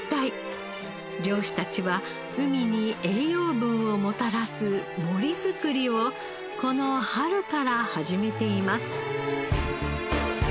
漁師たちは海に栄養分をもたらす森づくりをこの春から始めています。